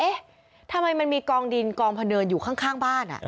ทำไมมันมีกองดินกองพะเนินอยู่ข้างบ้าน